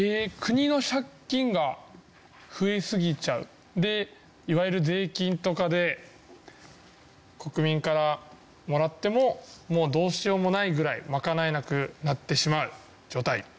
では都築さん。でいわゆる税金とかで国民からもらってももうどうしようもないぐらい賄えなくなってしまう状態。